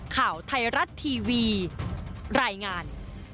ข่าวไทยรัฐทีวีรายงาน